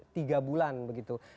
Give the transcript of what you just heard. tiga bulan begitu